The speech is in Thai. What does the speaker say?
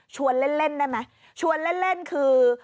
เล่นได้ไหมชวนเล่นคือ